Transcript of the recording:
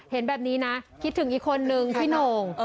เห็นแบบนี้นะคิดถึงอีกคนนึงพี่โหน่ง